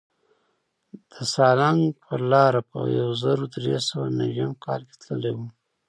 د سالنګ پر لاره په یو زر در سوه نویم کې تللی وم.